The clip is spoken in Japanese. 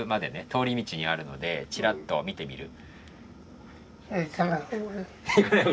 通り道にあるのでちらっと見てみる？